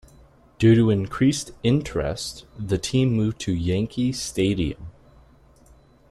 Due to increased interest, the team moved to Yankee Stadium.